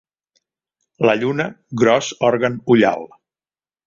La lluna: gros òrgan ullal.